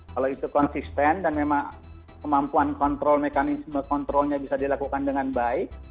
kalau itu konsisten dan memang kemampuan kontrol mekanisme kontrolnya bisa dilakukan dengan baik